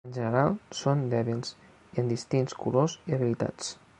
En general són dèbils, en distints colors i habilitats.